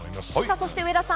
そして、上田さん